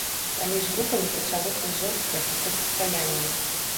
Паміж групамі пачалося жорсткае супрацьстаянне.